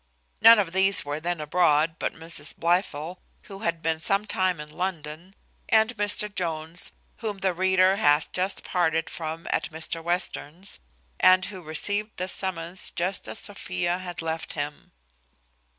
None of these were then abroad, but Mrs Blifil, who had been some time in London, and Mr Jones, whom the reader hath just parted from at Mr Western's, and who received this summons just as Sophia had left him.